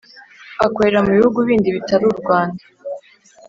Akorera mu bihugu bindi bitari u Rwanda.